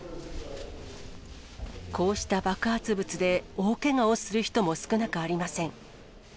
こうした爆発物で大けがをする人も少なくありません。